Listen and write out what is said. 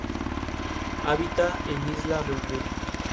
Sin embargo, siempre fue sospechoso de apoyar al primero.